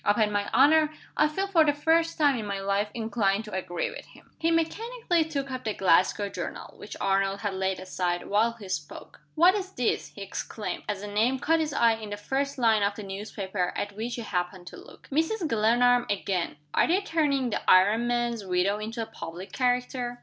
Upon my honor, I feel for the first time in my life inclined to agree with him." He mechanically took up the Glasgow journal, which Arnold had laid aside, while he spoke. "What's this!" he exclaimed, as a name caught his eye in the first line of the newspaper at which he happened to look. "Mrs. Glenarm again! Are they turning the iron master's widow into a public character?"